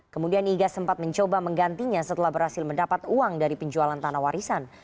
kemudian iga sempat mencoba menggantinya setelah berhasil mendapat uang dari penjualan tanah warisan